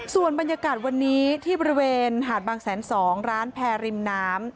ส่วนบรรยากาศวันนี้ที่บริเวณหาดบางแสน๒ร้านแพรริมน้ำ